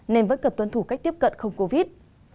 nên vẫn cần tuân thủ cách tiếp cận không covid